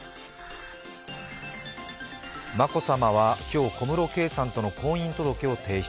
眞子さまは今日、小室圭さんとの婚姻届を提出。